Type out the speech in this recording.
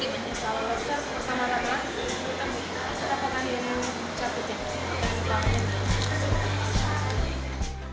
kalau lobster bersama rata kita pakai ini capangnya